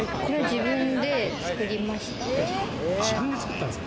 自分で作りました。